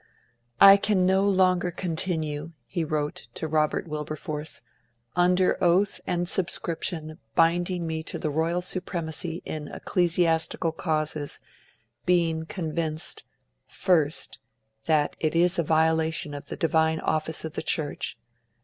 'I can no longer continue,' he wrote to Robert Wilberforce, 'under oath and subscription binding me to the Royal Supremacy in Ecclesiastical causes, being convinced: (1) That it is a violation of the Divine Office of the Church.